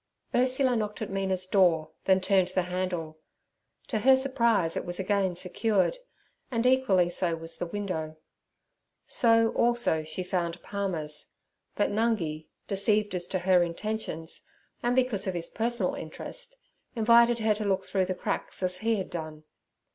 Ursula knocked at Mina's door, then turned the handle: to her surprise it was again secured, and equally so was the window. So also she found Palmer's, but Nungi, deceived as to her intentions and because of his personal interest, invited her to look through the cracks as he had done.